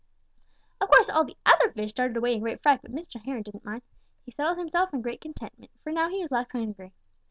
"Of course all the other fish darted away in great fright, but Mr. Heron didn't mind. He settled himself in great contentment, for now he was less hungry.